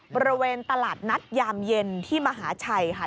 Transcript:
บริเวณตลาดนัดยามเย็นที่มหาชัยค่ะ